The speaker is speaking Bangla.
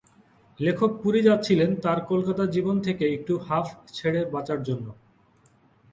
লেখক পুরি যাচ্ছিলেন তাঁর কলকাতার জীবন থেকে একটু হাফ ছেড়ে বাঁচার জন্য।